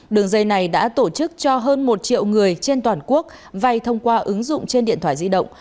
đường dây này đã tổ chức cho hơn một triệu người trên toàn quốc vay thông qua ứng dụng trên điện thoại di động